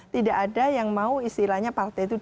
tidak ada yang mau istilahnya partai itu